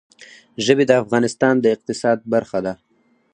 ژبې د افغانستان د اقتصاد برخه ده.